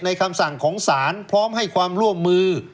คำสั่งของศาลพร้อมให้ความร่วมมือ